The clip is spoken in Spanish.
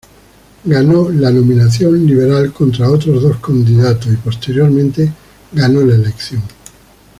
Ganó la nominación Liberal contra otros dos candidatos y, posteriormente, ganó la elección.